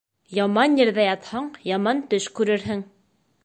Яман ерҙә ятһаң, яман төш күрерһең